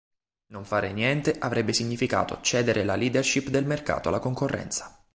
Non fare niente avrebbe significato cedere la leadership del mercato alla concorrenza.